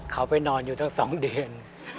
เขาไปนอนอยู่สัก๒เดือน